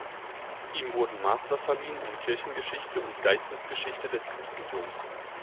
Ihm wurden Master verliehen in Kirchengeschichte und Geistesgeschichte des Christentums.